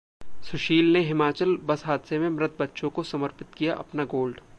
सुशील ने हिमाचल बस हादसे में मृत बच्चों को समर्पित किया अपना गोल्ड